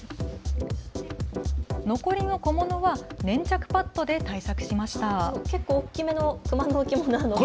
残りの小物は粘着パッドで対策しました。